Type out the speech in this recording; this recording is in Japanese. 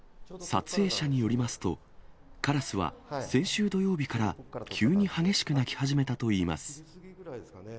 撮影者によりますと、カラスは先週土曜日から急に激しく鳴き始めたといいます。